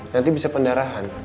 nanti bisa pendarahan